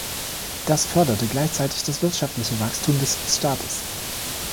Das förderte gleichzeitig das wirtschaftliche Wachstum des Staates.